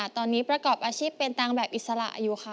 ตอนนี้ประกอบอาชีพเป็นตังค์แบบอิสระอยู่ค่ะ